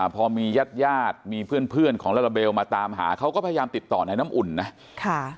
พอมีญาติญาติมีเพื่อนของลาลาเบลมาตามหาเขาก็พยายามติดต่อในน้ำอุ่นนะ